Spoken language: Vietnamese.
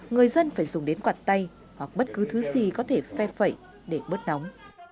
người dân phải dùng đến quạt tay hoặc bất cứ thứ gì có thể phe phẩy để bớt nóng